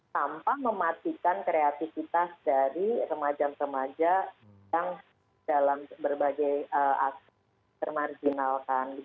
tanpa mematikan kreativitas dari remaja remaja yang dalam berbagai aksi termarjinalkan